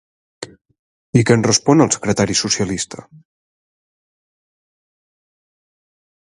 I què en respon el secretari socialista?